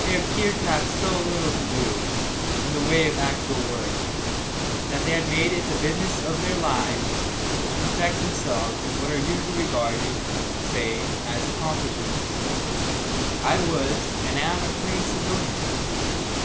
They appeared to have so little to do, in the way of actual work, that they had made it the business of their lives to perfect themselves in what are usually regarded, say, as accomplishments. I was, and am, a plain civilian.